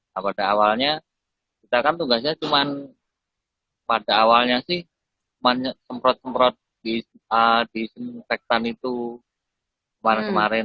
nah pada awalnya kita kan tugasnya cuma pada awalnya sih cuma semprot semprot disinfektan itu kemarin kemarin